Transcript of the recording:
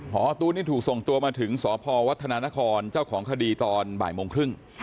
พอตู้นี่ถูกส่งตัวมาถึงสพวัฒนานครเจ้าของคดีตอนบ่ายโมงครึ่ง